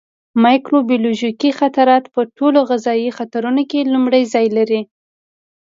مایکروبیولوژیکي خطرات په ټولو غذایي خطرونو کې لومړی ځای لري.